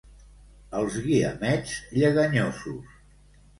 Als Guiamets, lleganyosos.